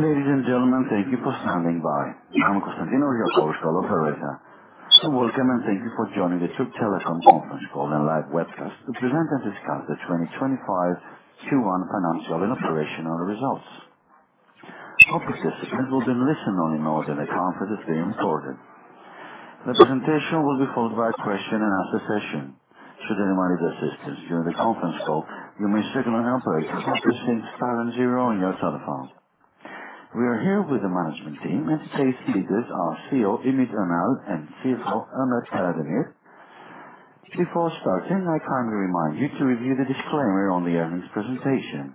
Ladies and gentlemen, thank you for standing by. I'm Konstantinos Yakovlos, our operator. Welcome, and thank you for joining the Türk Telekom conference call and live webcast to present and discuss the 2025 Q1 financial and operational results. Copy of this will be listened on in order and account for this being recorded. The presentation will be followed by a question-and-answer session. Should anyone need assistance during the conference call, you may circle on our break to help us think spelling zero on your telephone. We are here with the management team and today's speakers are CEO Ümit Önal and CFO Ömer Karademir. Before starting, I kindly remind you to review the disclaimer on the earnings presentation.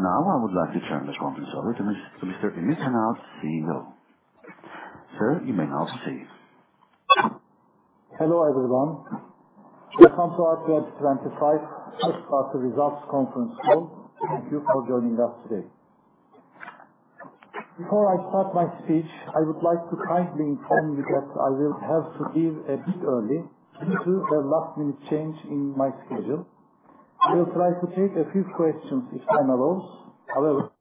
Now, I would like to turn the conference over to Mr. Ümit Önal, CEO. Sir, you may now proceed. Hello, everyone. Welcome to our 2025 first quarter results conference call. Thank you for joining us today. Before I start my speech, I would like to kindly inform you that I will have to leave a bit early due to a last-minute change in my schedule. We'll try to take a few questions if time allows.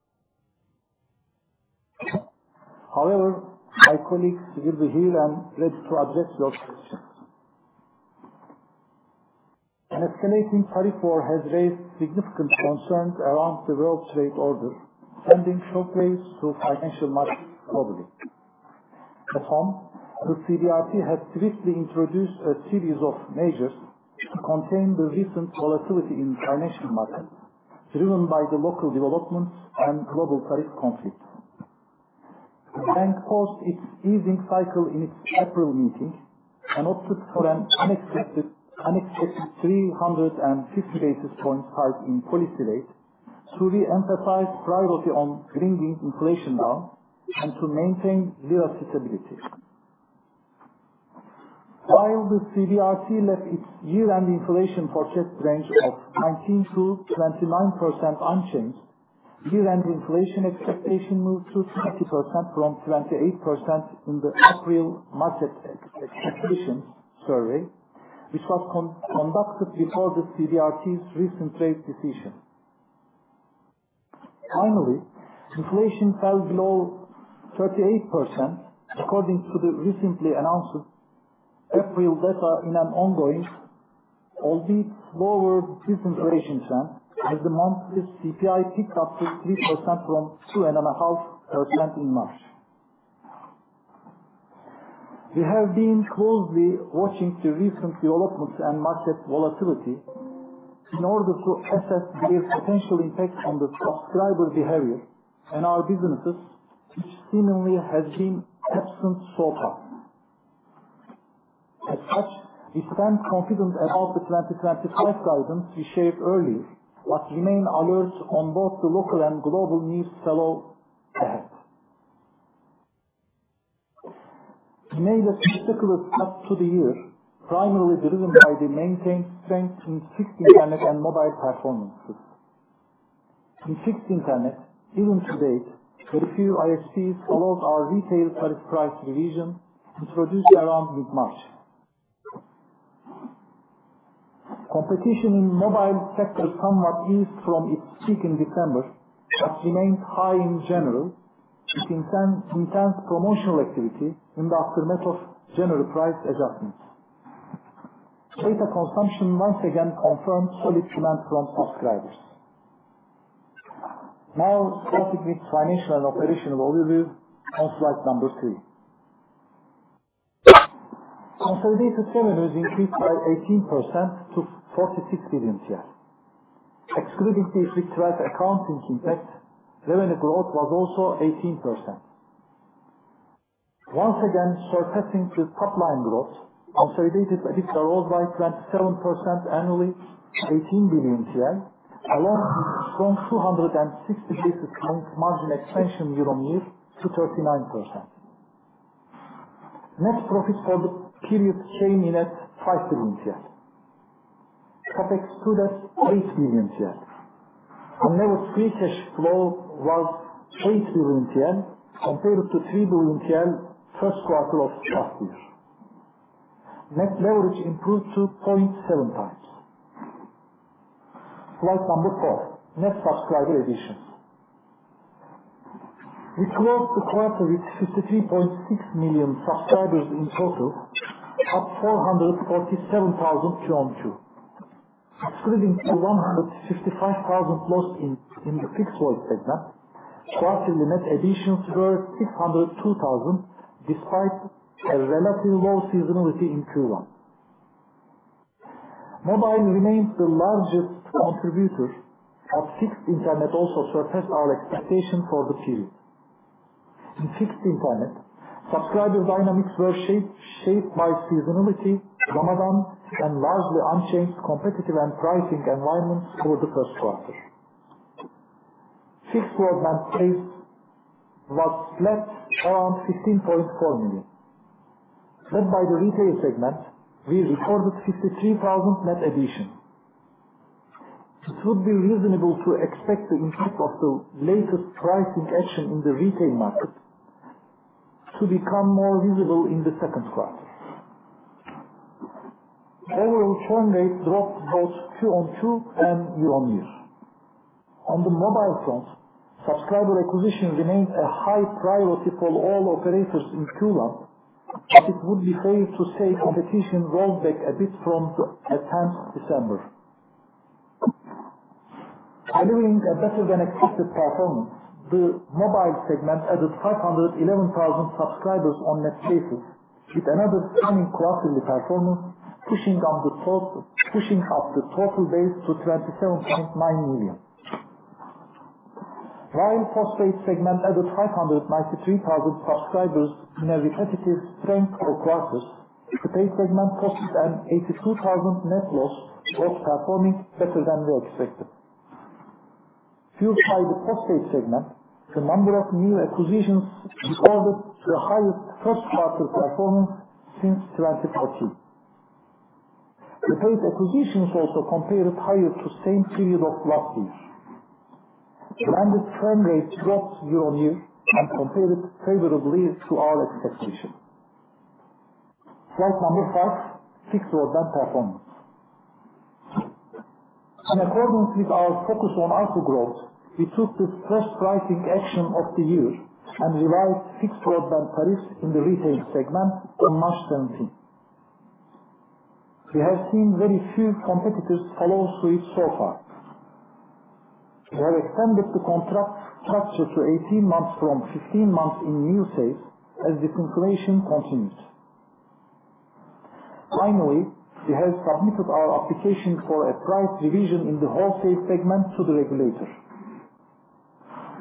However, my colleagues will be here and ready to address your questions. An escalating tariff war has raised significant concerns around the World Trade Order, sending shockwaves to financial markets globally. At home, the CBRT has swiftly introduced a series of measures to contain the recent volatility in financial markets driven by the local developments and global tariff conflicts. The bank paused its easing cycle in its April meeting and opted for an unexpected 350 basis point hike in policy rate to reemphasize priority on bringing inflation down and to maintain lira stability. While the CBRT left its year-end inflation forecast range of 19%-29% unchanged, year-end inflation expectation moved to 30% from 28% in the April market expectations survey, which was conducted before the CBRT's recent rate decision. Finally, inflation fell below 38% according to the recently announced April data in an ongoing, albeit slower disinflation trend as the monthly CPI picked up to 3% from 2.5% in March. We have been closely watching the recent developments and market volatility in order to assess their potential impact on the subscriber behavior and our businesses, which seemingly has been absent so far. As such, we stand confident about the 2025 guidance we shared earlier, but remain alert on both the local and global news flow ahead. We made a spectacular start to the year, primarily driven by the maintained strength in fixed internet and mobile performances. In fixed internet, even to date, very few ISPs followed our retail tariff price revision introduced around mid-March. Competition in mobile sectors somewhat eased from its peak in December, but remained high in general with intense promotional activity in the aftermath of general price adjustments. Data consumption once again confirmed solid demand from subscribers. Now, starting with financial and operational overview, on slide number three. Consolidated revenues increased by 18% to TRY 46 billion. Excluding the fixed rate accounting impact, revenue growth was also 18%. Once again surpassing the top-line growth, consolidated EBITDA rose by 27% annually, TRY 18 billion, along with a strong 260 basis point margin expansion YoY to 39%. Net profit for the period came in at 5 billion TL. CapEx stood at 8 billion TL. On average, free cash flow was 8 billion TL compared to 3 billion TL first quarter of last year. Net leverage improved to 0.7x. Slide number four, net subscriber additions. We closed the quarter with 53.6 million subscribers in total, up 447,000 QoQ. Excluding the 155,000 lost in the fixed-wide segment, quarterly net additions were 602,000 despite a relatively low seasonality in Q1. Mobile remained the largest contributor, but fixed internet also surpassed our expectation for the period. In fixed internet, subscriber dynamics were shaped by seasonality, Ramadan, and largely unchanged competitive and pricing environments over the first quarter. Fixed-wide net base was left around 15.4 million. Led by the retail segment, we recorded 53,000 net additions. It would be reasonable to expect the impact of the latest pricing action in the retail market to become more visible in the second quarter. General turn rate dropped both QoQ and YoY. On the mobile front, subscriber acquisition remained a high priority for all operators in Q1, but it would be fair to say competition rolled back a bit from the attempt in December. Delivering a better-than-expected performance, the mobile segment added 511,000 subscribers on net basis, with another stunning quarterly performance pushing up the total base to 27.9 million. While the post-paid segment added 593,000 subscribers in a repetitive strength for quarters, the prepaid segment posted an 82,000 net loss, outperforming better than we expected. Fueled by the post-paid segment, the number of new acquisitions recorded the highest first quarter performance since 2014. The prepaid acquisitions also compared higher to the same period of last year. Landed churn rate dropped YoY and compared favorably to our expectation. Slide number five, fixed broadband performance. In accordance with our focus on output growth, we took the first pricing action of the year and revised fixed broadband tariffs in the retail segment on March 17. We have seen very few competitors follow suit so far. We have extended the contract structure to 18 months from 15 months in new sales, as disinflation continues. Finally, we have submitted our application for a price revision in the wholesale segment to the regulator.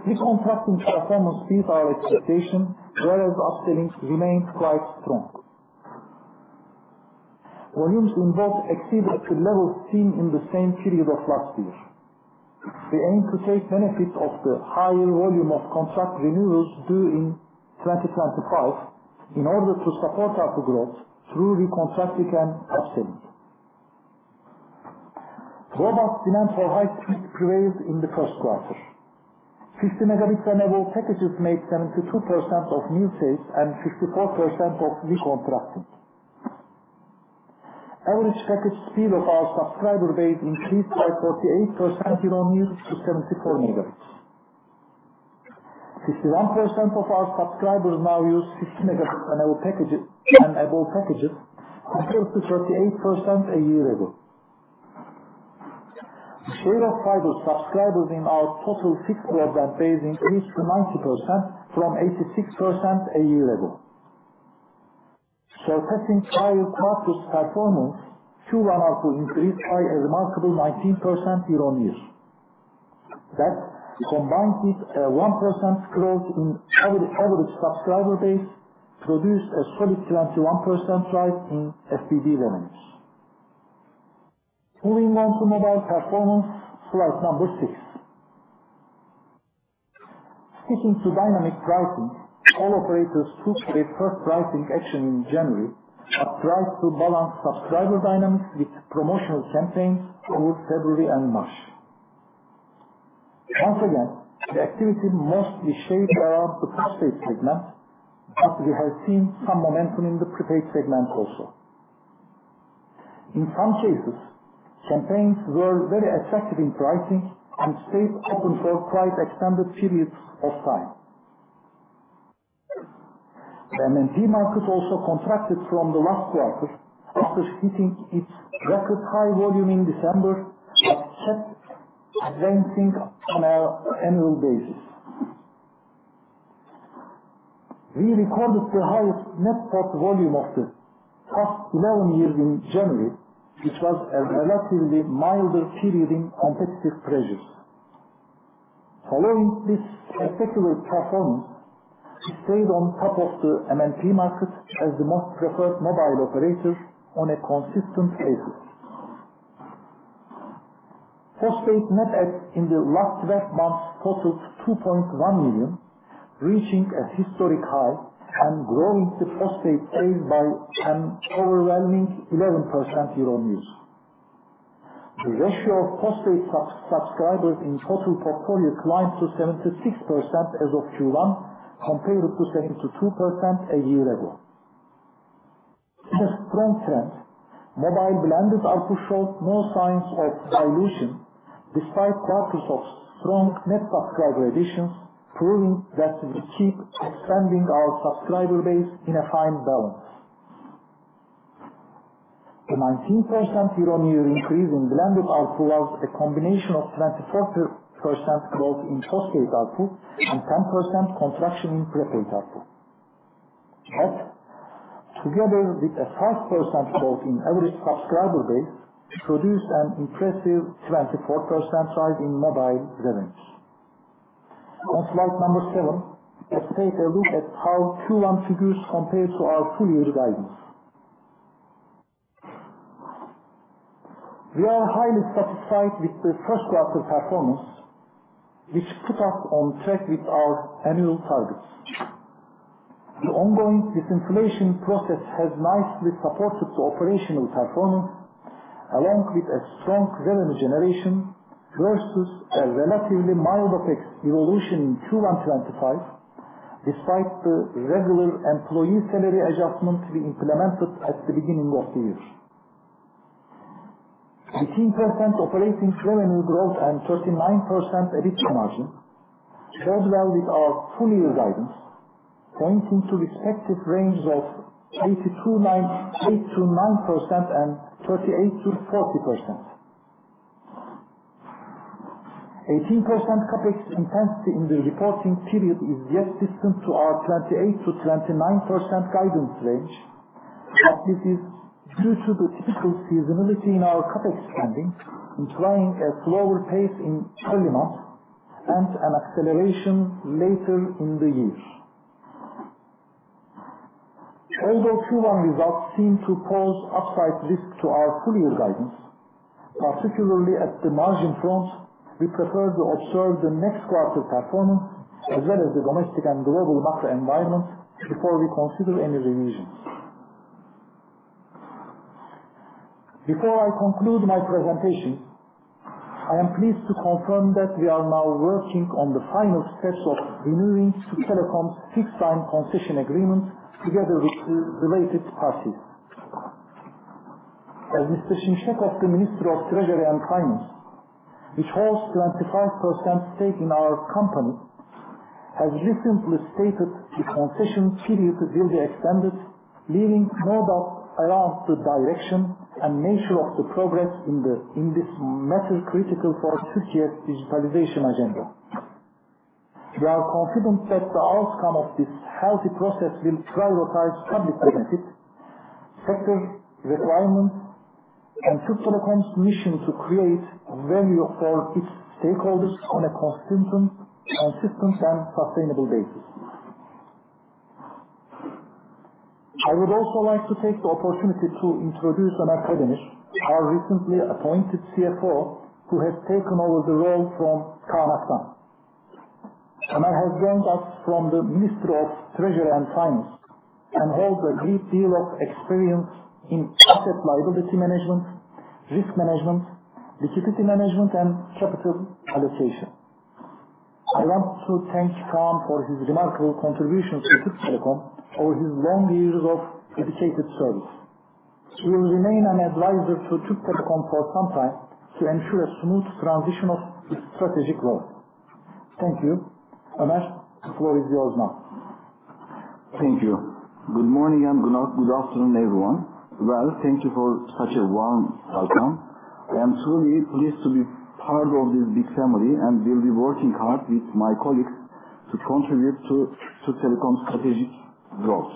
Pre-contracting performance beat our expectation, whereas upselling remained quite strong. Volumes in both exceeded the levels seen in the same period of last year. We aim to take benefit of the higher volume of contract renewals due in 2025 in order to support our growth through recontracting and upselling. Robust demand for high-speed prevailed in the first quarter. 50 Mb enabled packages made 72% of new sales and 54% of recontracting. Average package speed of our subscriber base increased by 48% YoY to 74 Mb. 51% of our subscribers now use 50 Mb enable packages compared to 38% a year ago. The share of fiber subscribers in our total fixed broadband base increased to 90% from 86% a year ago. Surpassing prior quarter's performance, Q1 also increased by a remarkable 19% YoY. That combined with a 1% growth in average subscriber base produced a solid 21% rise in FBB revenues. Moving on to mobile performance, slide number six. Sticking to dynamic pricing, all operators took a first pricing action in January, but tried to balance subscriber dynamics with promotional campaigns over February and March. Once again, the activity mostly shaped around the post-paid segment, but we have seen some momentum in the prepaid segment also. In some cases, campaigns were very attractive in pricing and stayed open for quite extended periods of time. The MNP market also contracted from the last quarter after hitting its record high volume in December, but kept advancing on an annual basis. We recorded the highest net port volume of the past 11 years in January, which was a relatively milder period in competitive pressures. Following this spectacular performance, we stayed on top of the MNP market as the most preferred mobile operator on a consistent basis. Post-paid net app in the last 12 months totaled 2.1 million, reaching a historic high and growing the post-paid sales by an overwhelming 11% YoY. The ratio of post-paid subscribers in total portfolio climbed to 76% as of Q1, compared to 72% a year ago. In a strong trend, mobile blended output showed no signs of dilution despite quarters of strong net subscriber additions, proving that we keep expanding our subscriber base in a fine balance. The 19% YoY increase in blended output was a combination of 24% growth in post-paid output and 10% contraction in prepaid output. That, together with a 5% growth in average subscriber base, produced an impressive 24% rise in mobile revenues. On slide number seven, let's take a look at how Q1 figures compared to our full-year guidance. We are highly satisfied with the first quarter performance, which put us on track with our annual targets. The ongoing disinflation process has nicely supported the operational performance, along with a strong revenue generation versus a relatively mild effects evolution in Q1 2025, despite the regular employee salary adjustment we implemented at the beginning of the year. 18% operating revenue growth and 39% EBITDA margin held well with our full-year guidance, pointing to respective range of 8%-9% and 38%-40%. 18% CapEx intensity in the reporting period is yet distant to our 28%-29% guidance range, but this is due to the typical seasonality in our CapEx spending, implying a slower pace in early months and an acceleration later in the year. Although Q1 results seem to pose upside risk to our full-year guidance, particularly at the margin front, we prefer to observe the next quarter performance as well as the domestic and global macro environment before we consider any revisions. Before I conclude my presentation, I am pleased to confirm that we are now working on the final steps of renewing Türk Telekom's fixed-line concession agreement together with the related parties. As Mr. Mehmet Şimşek, the Minister of Treasury and Finance, which holds a 25% stake in our company, has recently stated the concession period will be extended, leaving no doubt around the direction and nature of the progress in this matter critical for Türkiye's digitalization agenda. We are confident that the outcome of this healthy process will prioritize public benefit, sector requirements, and Türk Telekom's mission to create value for its stakeholders on a consistent and sustainable basis. I would also like to take the opportunity to introduce Ömer Karademir, our recently appointed CFO, who has taken over the role from Kaan Aktan. Ömer has joined us from the Ministry of Treasury and Finance and holds a great deal of experience in asset liability management, risk management, liquidity management, and capital allocation. I want to thank Kaan for his remarkable contributions to Türk Telekom over his long years of dedicated service. He will remain an advisor to Türk Telekom for some time to ensure a smooth transition of his strategic role. Thank you. Ömer, the floor is yours now. Thank you. Good morning and good afternoon, everyone. Thank you for such a warm welcome. I am truly pleased to be part of this big family and will be working hard with my colleagues to contribute to Türk Telekom's strategic growth.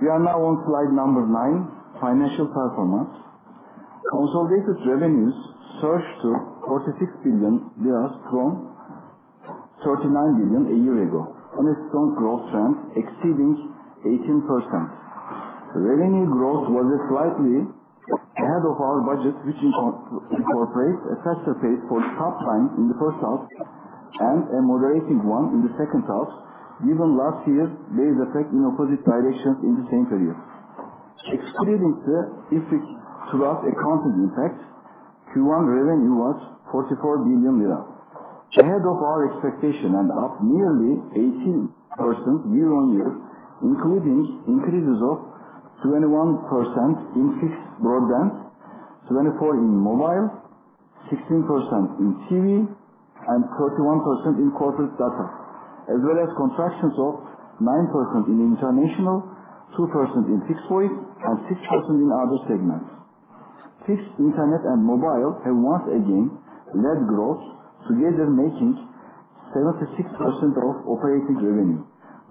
We are now on slide number nine, financial performance. Consolidated revenues surged to TRY 46 billion from 39 billion a year ago, on a strong growth trend exceeding 18%. Revenue growth was slightly ahead of our budget, which incorporates a faster pace for the top line in the first half and a moderating one in the second half, given last year's base effect in opposite directions in the same period. Excluding the IFRIC 12 accounting impact, Q1 revenue was 44 billion lira, ahead of our expectation and up nearly 18% YoY, including increases of 21% in fixed broadband, 24% in mobile, 16% in TV, and 31% in corporate data, as well as contractions of 9% in international, 2% in fixed voice, and 6% in other segments. Fixed internet and mobile have once again led growth, together making 76% of operating revenue.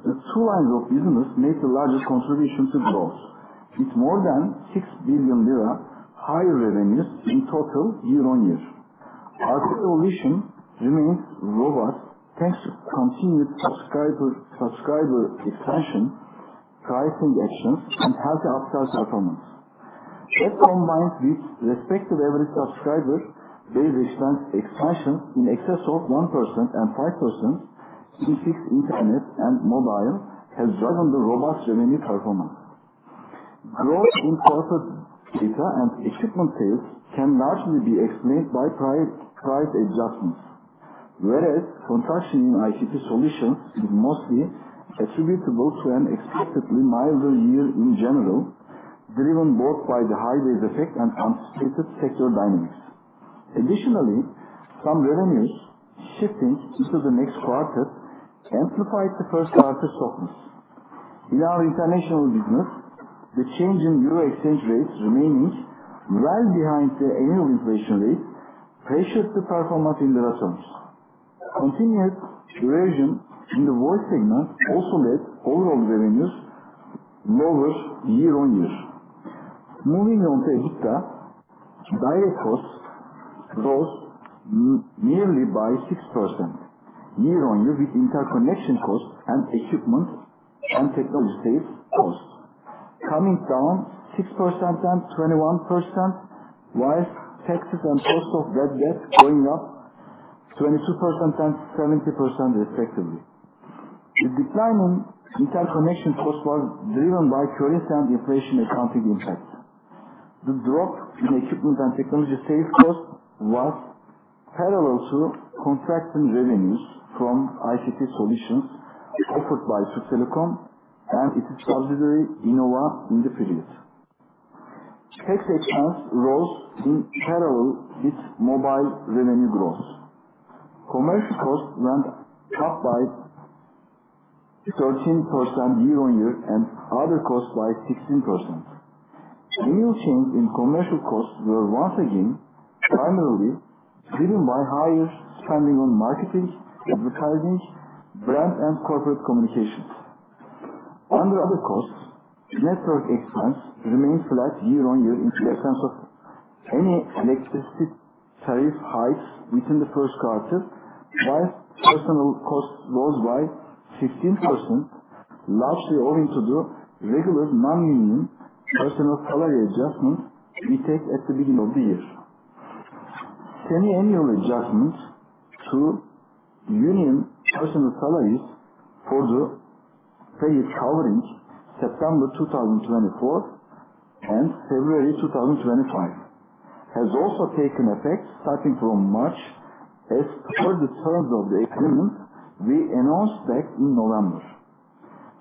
The two lines of business made the largest contribution to growth, with more than 6 billion lira higher revenues in total YoY. Our evolution remains robust thanks to continued subscriber expansion, pricing actions, and healthy upside performance. That combined with respective average subscriber base expansion in excess of 1% and 5% in fixed internet and mobile has driven the robust revenue performance. Growth in corporate data and equipment sales can largely be explained by price adjustments, whereas contraction in ICT solutions is mostly attributable to an expectedly milder year in general, driven both by the high base effect and anticipated sector dynamics. Additionally, some revenues shifting into the next quarter amplified the first quarter softness. In our international business, the change in EUR exchange rates remaining well behind the annual inflation rate pressured the performance in the returns. Continued erosion in the voice segment also led overall revenues lower YoY. Moving on to EBITDA, direct costs rose nearly by 6% YoY with interconnection costs and equipment and technology sales costs coming down 6% and 21%, while taxes and cost of that debt going up 22% and 70% respectively. The declining interconnection cost was driven by current and inflation accounting impacts. The drop in equipment and technology sales cost was parallel to contracting revenues from ICT solutions offered by Türk Telekom and its subsidiary Innova in the period. Tax expense rose in parallel with mobile revenue growth. Commercial costs went up by 13% YoY and other costs by 16%. Annual change in commercial costs were once again primarily driven by higher spending on marketing, advertising, brand, and corporate communications. Under other costs, network expense remained flat YoY in the absence of any electricity tariff hikes within the first quarter, while personnel costs rose by 15%, largely owing to the regular non-union personnel salary adjustment we take at the beginning of the year. Semi-annual adjustments to union personnel salaries for the period covering September 2024 and February 2025 has also taken effect starting from March as per the terms of the agreement we announced back in November.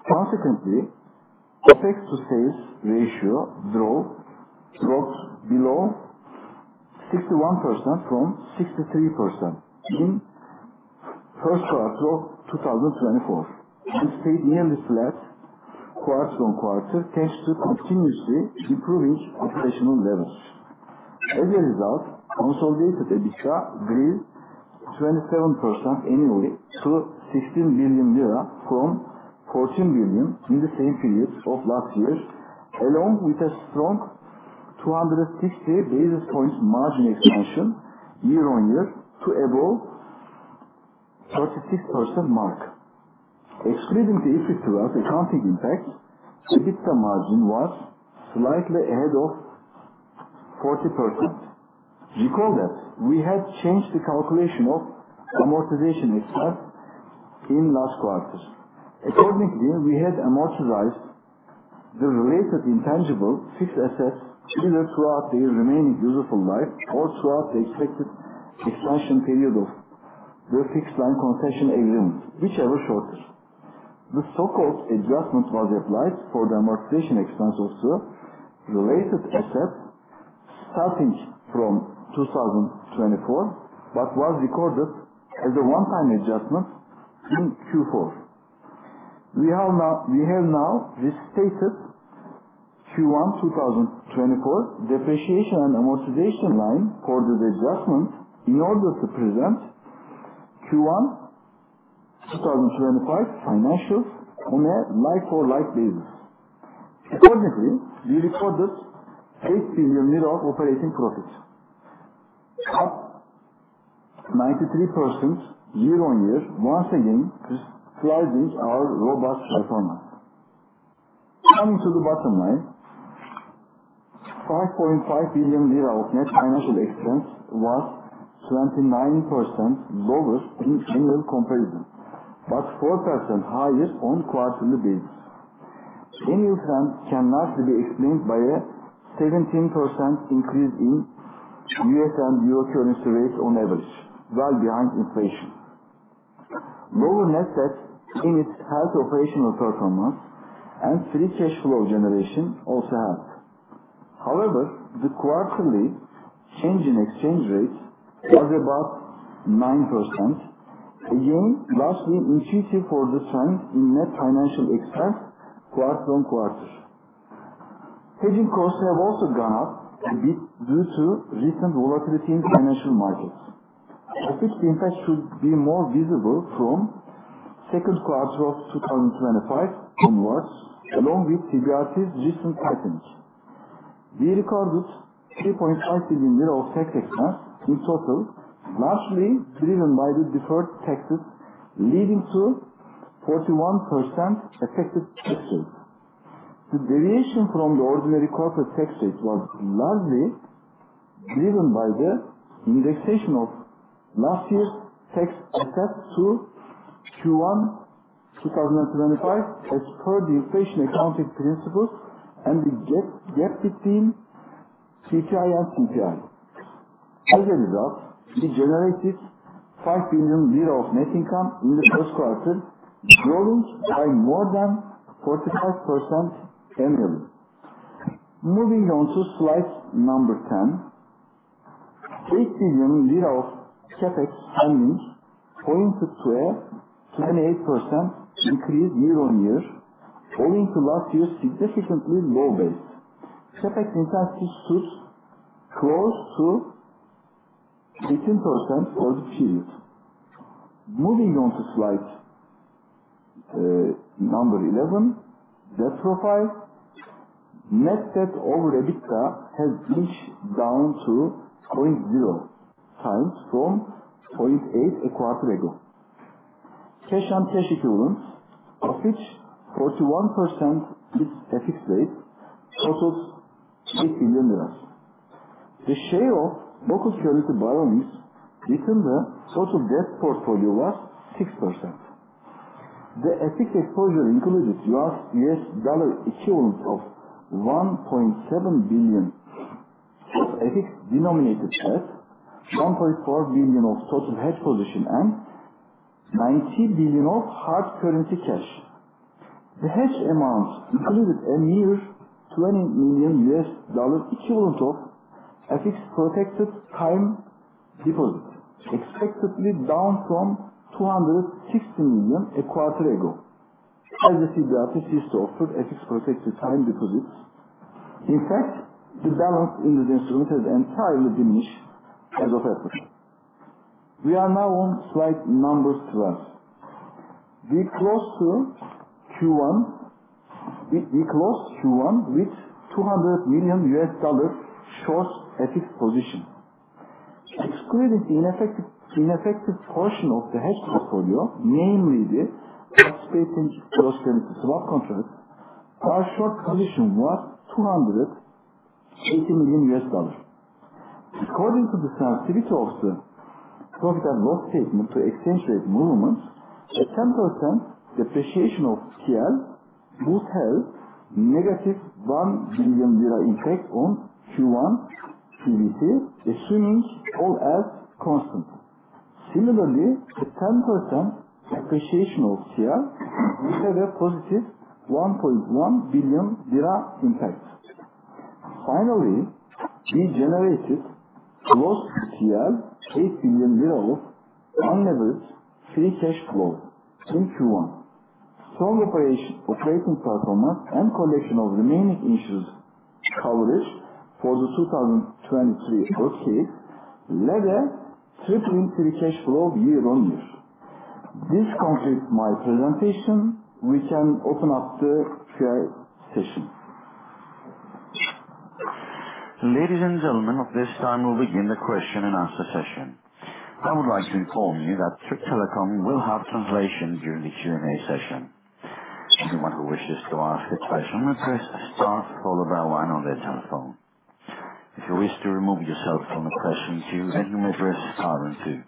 Consequently, OpEx to sales ratio dropped below 61% from 63% in the first quarter of 2024 and stayed nearly flat quarter on quarter thanks to continuously improving operational levels. As a result, consolidated EBITDA grew 27% annually to 16 billion lira from 14 billion in the same period of last year, along with a strong 260 basis points margin expansion YoY to above the 36% mark. Excluding the IFRIC 12 accounting impact, EBITDA margin was slightly ahead of 40%. Recall that we had changed the calculation of amortization expense in last quarter. Accordingly, we had amortized the related intangible fixed assets either throughout their remaining useful life or throughout the expected expansion period of the fixed-line concession agreement, whichever shorter. The so-called adjustment was applied for the amortization expense of the related assets starting from 2024 but was recorded as a one-time adjustment in Q4. We have now restated Q1 2024 depreciation and amortization line for this adjustment in order to present Q1 2025 financials on a like-for-like basis. Accordingly, we recorded TRY 8 billion of operating profit, up 93% YoY, once again crystallizing our robust performance. Coming to the bottom line, 5.5 billion lira of net financial expense was 29% lower in annual comparison but 4% higher on quarterly basis. Annual trend can largely be explained by a 17% increase in US dollar and euro currency rates on average, well behind inflation. Lower net debt in its healthy operational performance and free cash flow generation also helped. However, the quarterly change in exchange rate was about 9%, again largely intuitive for the trend in net financial expense QoQ. Hedging costs have also gone up a bit due to recent volatility in financial markets. Effects to impact should be more visible from second quarter of 2025 onwards, along with CBRT's recent tightening. We recorded 3.5 billion lira of tax expense in total, largely driven by the deferred taxes, leading to 41% affected tax rate. The deviation from the ordinary corporate tax rate was largely driven by the indexation of last year's tax assets to Q1 2025 as per the inflation accounting principles and the gap between PPI and CPI. As a result, we generated 5 billion lira of net income in the first quarter, growing by more than 45% annually. Moving on to slide number 10, 8 billion of CapEx spending pointed to a 28% increase YoY, owing to last year's significantly low base. CapEx intensity stood close to 18% for the period. Moving on to slide number 11, debt profile, net debt over EBITDA has diminished down to 0.0 times from 0.8 a quarter ago. Cash and cash equivalents, of which 41% is FX rate, totaled TRY 8 billion. The share of local currency borrowings within the total debt portfolio was 6%. The FX exposure included $1.7 billion of FX denominated debt, $1.4 billion of total hedge position, and $90 billion of hard currency cash. The hedge amount included a mere $20 million of FX protected time deposit, expectedly down from $260 million a quarter ago. As the CBRtT ceased to offer FX protected time deposits, in fact, the balance in this instrument has entirely diminished as of April. We are now on slide number 12. We closed Q1 with $200 million short FX position. Excluding the ineffective portion of the hedge portfolio, namely the participating cross-community swap contracts, our short position was $280 million. According to the sensitivity of the profit and loss statement to exchange rate movements, a 10% depreciation of TL would have negative TRY 1 billion impact on Q1 PBT, assuming all else constant. Similarly, a 10% depreciation of TRY would have a positive 1.1 billion lira impact. Finally, we generated gross 8 billion lira of unleveraged free cash flow in Q1. Strong operating performance and collection of remaining insurance coverage for the 2023 earthquake led a tripling free cash flow YoY. This concludes my presentation. We can open up the Q&A session. Ladies and gentlemen, at this time we will begin the question and answer session. I would like to inform you that Türk Telekom will have translation during the Q&A session. Anyone who wishes to ask a question may press star or the bell icon on their telephone. If you wish to remove yourself from the question queue, then you may press star and two.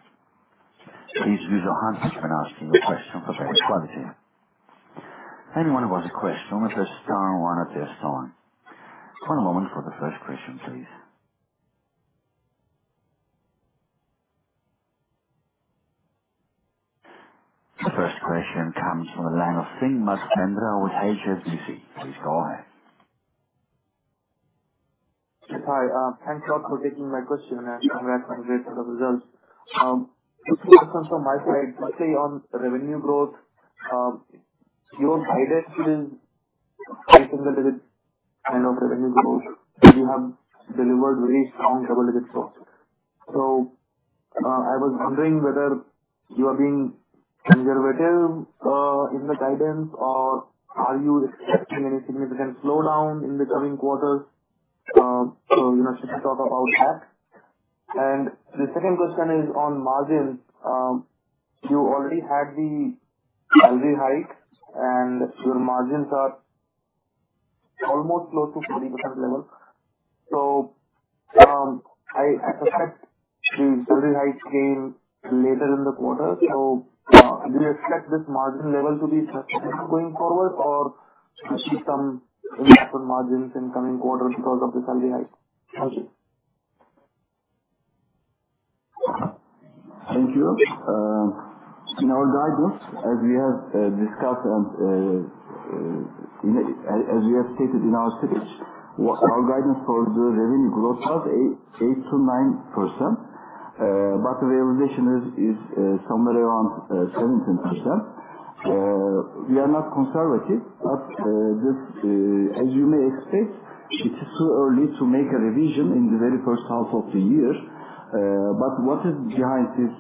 Please use your hands when asking a question for better quality. Anyone who has a question may press star and one at this time. One moment for the first question, please. The first question comes from the line of Singh Madhvendra with HSBC. Please go ahead. Hi, thank you all for taking my question and congratulations for the results. Two questions from my side. You say on revenue growth, your guidance is high single-digit kind of revenue growth. You have delivered very strong double-digit growth. I was wondering whether you are being conservative in the guidance or are you expecting any significant slowdown in the coming quarters? You should talk about that. The second question is on margins. You already had the salary hike and your margins are almost close to the 40% level. I suspect the salary hike came later in the quarter. Do you expect this margin level to be going forward or will there be some impact on margins in the coming quarter because of the salary hike? Thank you. In our guidance, as we have discussed and as we have stated in our slippage, our guidance for the revenue growth was 8%-9%, but the realization is somewhere around 17%. We are not conservative, but as you may expect, it is too early to make a revision in the very first half of the year. What is behind this?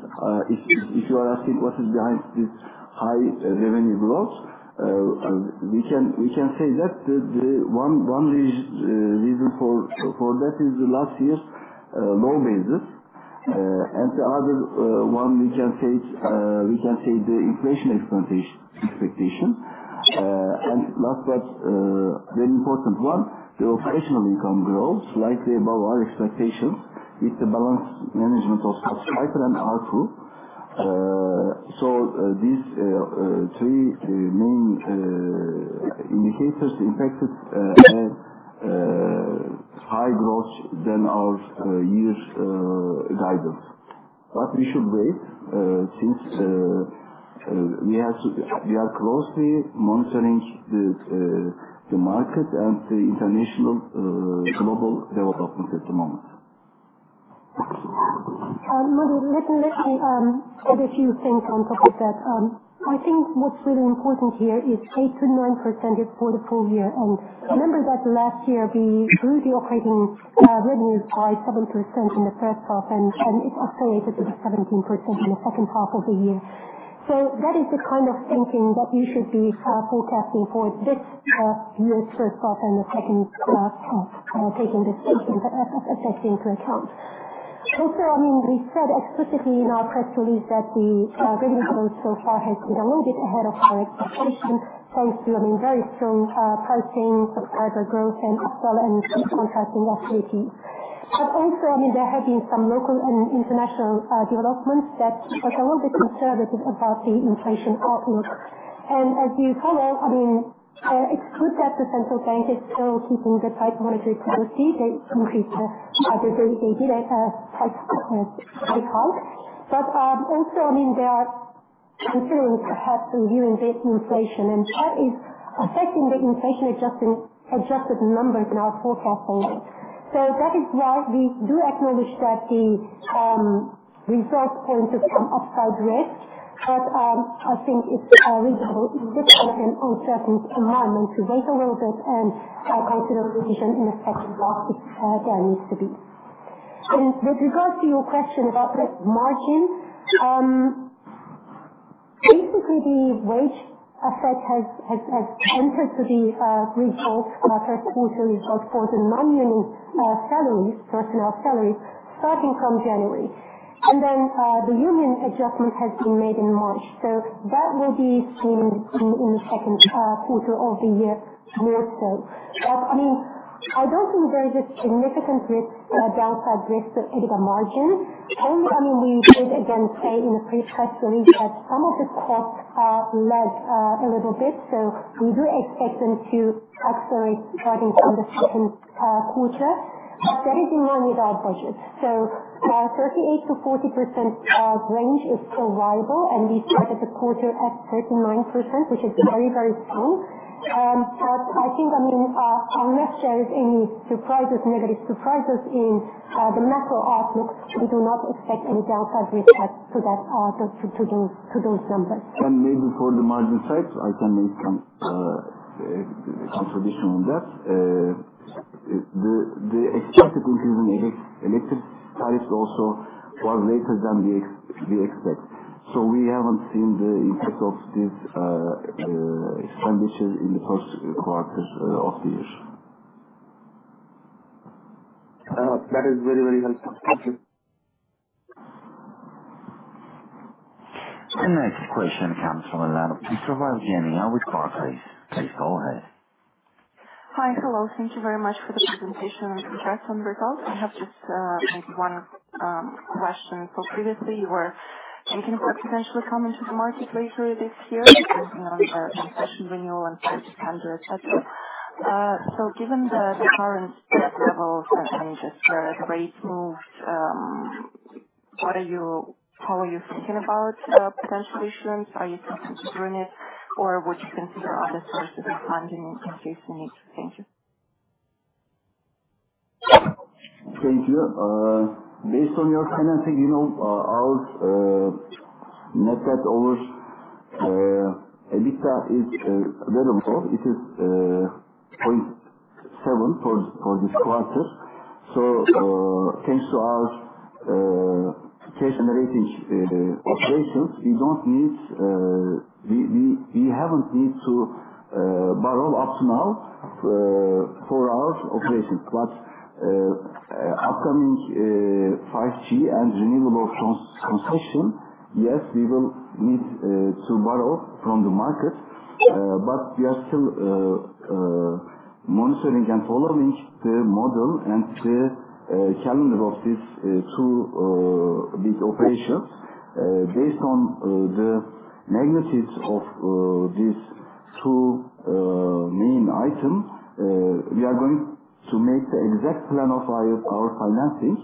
If you are asking what is behind this high revenue growth, we can say that one reason for that is last year's low basis. The other one we can say is the inflation expectation. Last but very important one, the operational income growth slightly above our expectations with the balance management of subscriber and ARPU. These three main indicators impacted a higher growth than our year's guidance. We should wait since we are closely monitoring the market and the international global development at the moment. Let me add a few things on top of that. I think what's really important here is 8%-9% for the full year. Remember that last year we grew the operating revenues by 7% in the first half and it escalated to 17% in the second half of the year. That is the kind of thinking that you should be forecasting for this year's first half and the second half, taking this thinking effects into account. Also, I mean, we said explicitly in our press release that the revenue growth so far has been a little bit ahead of our expectation thanks to, I mean, very strong pricing, subscriber growth, and upsell and contracting activities. Also, I mean, there have been some local and international developments that we are a little bit conservative about the inflation outlook. As you follow, I mean, it's good that the central bank is still keeping the tight monetary policy. They increased the—they did a tight hike. Also, I mean, they are considering perhaps reviewing the inflation, and that is affecting the inflation-adjusted numbers in our forecast already. That is why we do acknowledge that the result pointed some upside risk, but I think it's reasonable in this kind of uncertain environment to wait a little bit and consider a revision in the second half if there needs to be. With regards to your question about the margin, basically the wage effect has entered to the result. First quarter is both for the non-union salaries, personnel salaries, starting from January. Then the union adjustment has been made in March. That will be seen in the second quarter of the year more so. I mean, I don't think there is a significant downside risk to EBITDA margin. Only, I mean, we did again say in the press release that some of the costs are lagged a little bit. We do expect them to accelerate starting from the second quarter. That is in line with our budget. 38%-40% range is still viable, and we started the quarter at 39%, which is very, very strong. I think, I mean, unless there is any surprises, negative surprises in the macro outlook, we do not expect any downside risk to those numbers. Maybe for the margin side, I can make a contradiction on that. The expected increase in electricity tariffs also was later than we expect. We have not seen the impact of these expenditures in the first quarter of the year. That is very, very helpful. Thank you. The next question comes from the line of Evgeniya Bystrova with Barclays. Please go ahead. Hi, hello. Thank you very much for the presentation and the charts and the results. I have just maybe one question. Previously, you were thinking about potentially coming to the market later this year and considering session renewal and to tender etc. Given the current levels and just the rates moved, what are you—how are you thinking about potential issuance? Are you thinking to bring it, or would you consider other sources of funding in case you need to? Thank you. Thank you. Based on your financing, our net debt over EBITDA is very low. It is 0.7 for this quarter. Thanks to our cash-generating operations, we do not need—we have not needed to borrow up to now for our operations. Upcoming 5G and renewable concession, yes, we will need to borrow from the market. We are still monitoring and following the model and the calendar of these two big operations. Based on the magnitudes of these two main items, we are going to make the exact plan of our financing.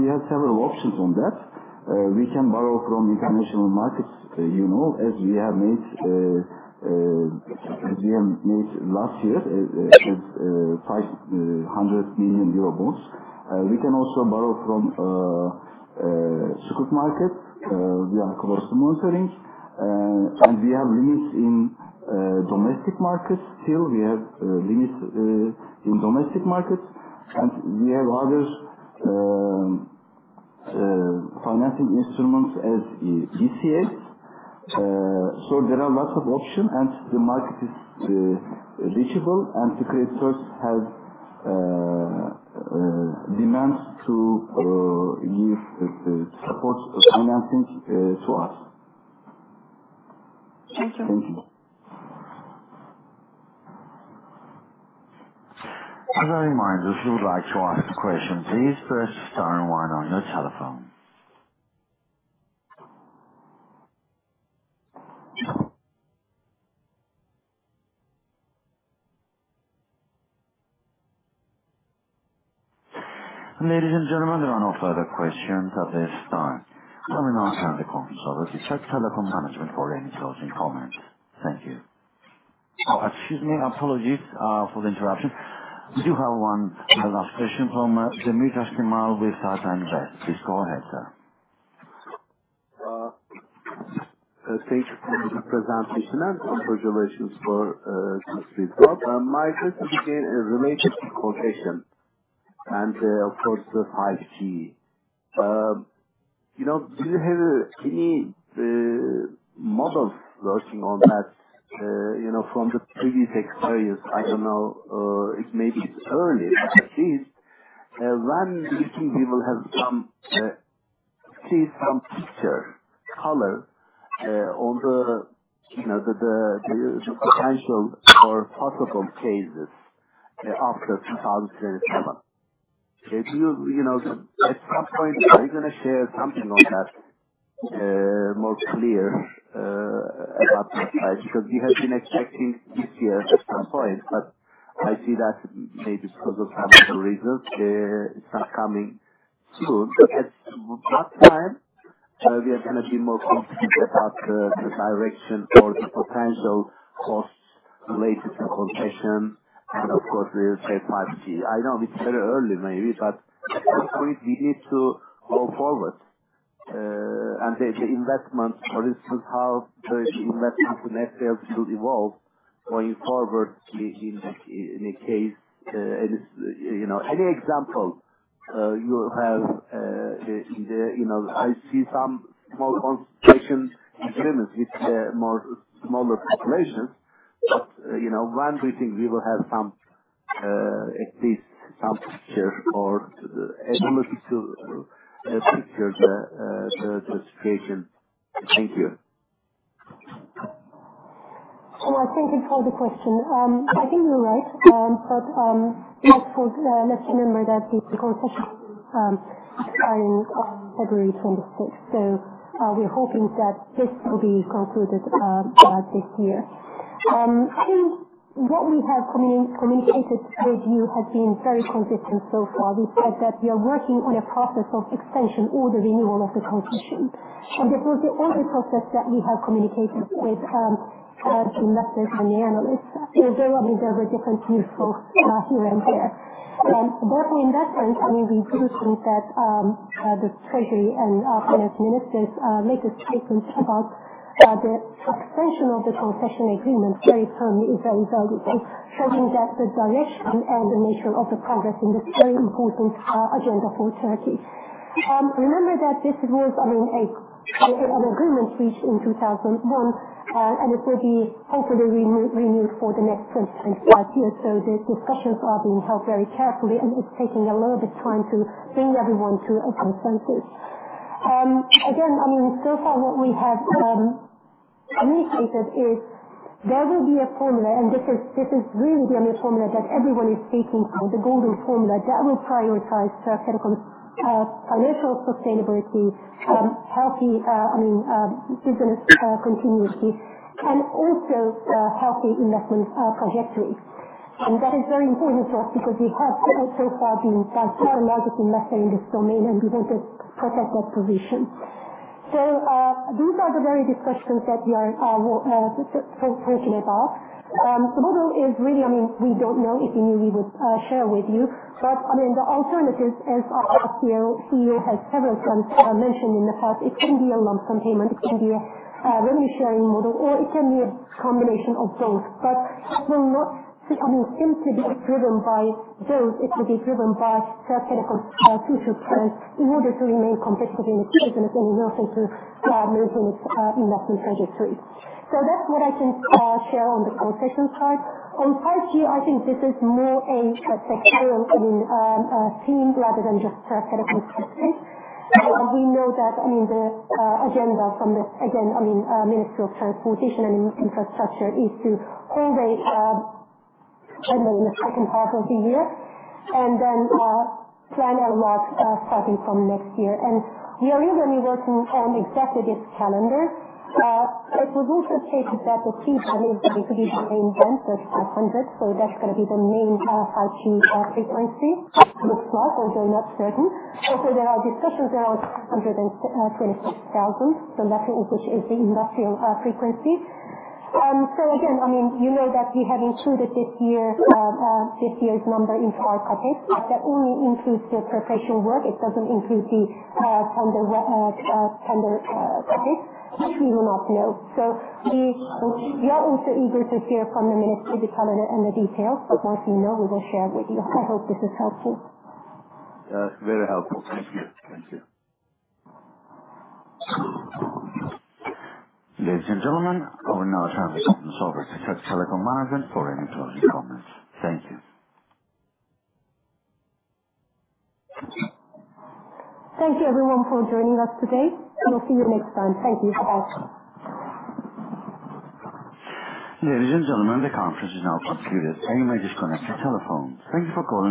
We have several options on that. We can borrow from international markets as we have made last year with EUR 500 million bonds. We can also borrow from supermarkets. We are close to monitoring. We have limits in domestic markets. Still, we have limits in domestic markets. We have other financing instruments as ECAs. There are lots of options, and the market is reachable. The creditors have demands to give support financing to us. Thank you. Thank you. As a reminder, if you would like to ask a question, please press star and one on your telephone. Ladies and gentlemen, there are no further questions at this time. We now turn the conference over to Türk Telekom Management for any closing comments. Thank you. Excuse me. Apologies for the interruption. We do have one last question from Demirtaş Cemal with Ata Invest. Please go ahead, sir. Thank you for the presentation. And congratulations for the speaker. My question again relates to quotation and, of course, the 5G. Do you have any models working on that from the previous experience? I don't know. It may be early. At least when we think we will have at least some picture, color on the potential or possible cases after 2027. At some point, are you going to share something on that more clear about the size? Because we have been expecting this year at some point, but I see that maybe because of some of the reasons it's not coming soon. At what time we are going to be more concerned about the direction or the potential costs related to concession and, of course, say 5G? I know it's very early maybe, but at some point, we need to go forward. The investment, for instance, how the investment in airfields will evolve going forward in the case any example you have in the I see some small concession agreements with more smaller populations. When do you think we will have at least some picture or ability to picture the situation? Thank you. Thank you for the question. I think you're right. Let's remember that the concession expiring on February 26th. We are hoping that this will be concluded by this year. Since what we have communicated with you has been very consistent so far, we said that we are working on a process of extension or the renewal of the concession. This was the only process that we have communicated with the investors and the analysts. Although, I mean, there were different views both here and there. Therefore, in that sense, I mean, we do think that the Treasury and our Finance Minister's latest statements about the extension of the concession agreement very firmly is very valuable, showing that the direction and the nature of the progress in this very important agenda for Türkiye. Remember that this was, I mean, an agreement reached in 2001, and it will be hopefully renewed for the next 20-25 years. The discussions are being held very carefully, and it's taking a little bit of time to bring everyone to a consensus. Again, I mean, so far what we have communicated is there will be a formula, and this is really the only formula that everyone is speaking from, the golden formula that will prioritize Türkiye's financial sustainability, healthy, I mean, business continuity, and also healthy investment trajectory. That is very important to us because we have so far been by far the largest investor in this domain, and we want to protect that position. These are the very discussions that we are talking about. The model is really, I mean, we don't know. If we knew, we would share with you. I mean, the alternative, as our CEO has several times mentioned in the past, it could be a lump sum payment. It could be a revenue-sharing model, or it can be a combination of both. It will not, I mean, simply be driven by those. It will be driven by Türk Telekom's future plans in order to remain competitive in its business and in order to maintain its investment trajectory. That is what I can share on the concession side. On 5G, I think this is more a sectoral, I mean, theme rather than just Türk Telekom's topic. We know that, I mean, the agenda from the, again, I mean, Ministry of Transportation and Infrastructure is to hold a calendar in the second half of the year and then plan a lot starting from next year. We are really, I mean, working on exactly this calendar. It was also stated that the feedback is going to be the same then, 3500. That is going to be the main 5G frequency. Looks like or doing upstream. Also, there are discussions around 126,000, the latter of which is the industrial frequency. Again, I mean, you know that we have included this year's number in our packet, but that only includes the preparation work. It does not include the tender packet. We will not know. We are also eager to hear from the ministry the calendar and the details. Once we know, we will share with you. I hope this is helpful. Very helpful. Thank you. Thank you. Ladies and gentlemen, I will now turn the conference over to Türk Telekom Management for any closing comments. Thank you. Thank you, everyone, for joining us today. We'll see you next time. Thank you. Bye-bye. Ladies and gentlemen, the conference is now concluded. You may disconnect your telephones. Thank you for calling.